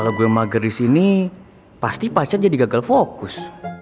kalo gue mager disini pasti pacar jadi gagal fokus